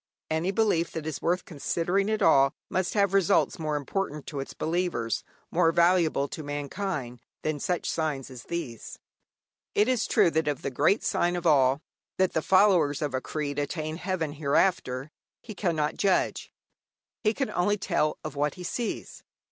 Any belief that is worth considering at all must have results more important to its believers, more valuable to mankind, than such signs as these. It is true that of the great sign of all, that the followers of a creed attain heaven hereafter, he cannot judge. He can only tell of what he sees.